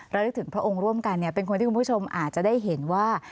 นึกถึงพระองค์ร่วมกันเป็นคนที่คุณผู้ชมอาจจะได้เห็นว่า